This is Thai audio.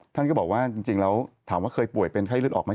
ท่านก็บอกว่าจริงแล้วถามว่าเคยป่วยเป็นไข้เลือดออกไหม